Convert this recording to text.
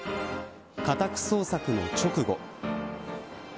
家宅捜索の直後。